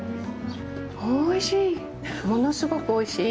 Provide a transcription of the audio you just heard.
おいしい！